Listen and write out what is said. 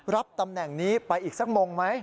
รับตำแหน่งนี้ไปอีกสักมงไหม